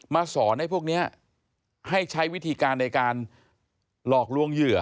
สอนให้พวกนี้ให้ใช้วิธีการในการหลอกลวงเหยื่อ